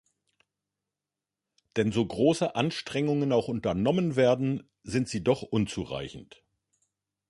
Denn so große Anstrengungen auch unternommen werden, sind sie doch unzureichend.